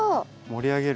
盛り上げる。